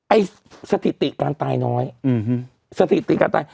ไอ้สถิติการตายน้อยสถิติการตาย